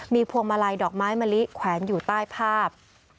พวงมาลัยดอกไม้มะลิแขวนอยู่ใต้ภาพ